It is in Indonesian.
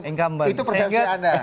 nah itu persepsi anda